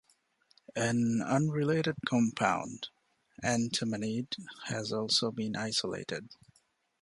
An unrelated compound, antamanide, has also been isolated.